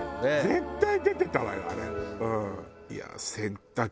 絶対出てたわよあれ。